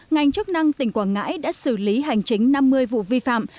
ngành chức năng tỉnh quảng ngãi đã xử lý hành chính năm mươi vụ vi phạm